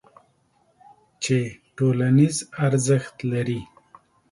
چې ټولنیز ارزښت لري.